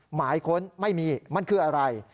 หมายค้นไม่มีมันคืออะไร